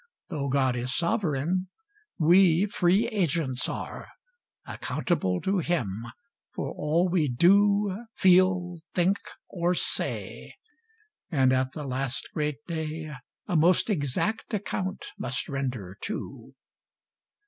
Though God is Sovereign, we free agents are, Accountable to him for all we do, Feel, think, or say; and at the last great day, A most exact account must render too.